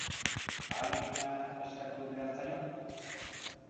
Ahalegina eskatu behar zaio?